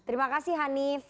terima kasih hanif